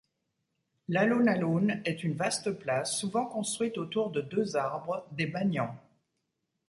L'alun-alun est une vaste place souvent construite autour de deux arbres, des banians.